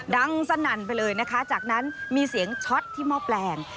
ดังสนั่นไปเลยนะคะจากนั้นมีเสียงช็อตที่หม้อแปลง